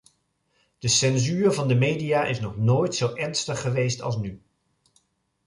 De censuur van de media is nog nooit zo ernstig geweest als nu.